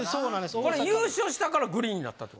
これ優勝したからグリーンになったってこと？